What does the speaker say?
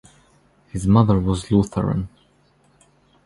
His mother was Lutheran.